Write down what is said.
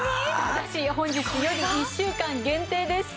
ただし本日より１週間限定です。